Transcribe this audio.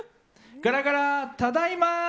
ガラガラ、ただいま！